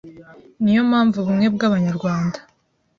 Niyo mpamvu ubumwe bw’Abanyarwanda